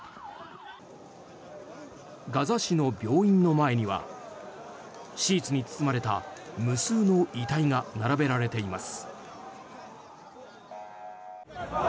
ガザ市の病院の前にはシーツに包まれた無数の遺体が並べられています。